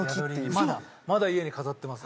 まだ家に飾ってます。